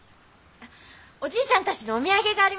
おじいちゃんたちにおみやげがあります。